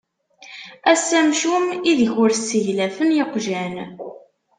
Ass amcum, ideg ur sseglafen iqjan.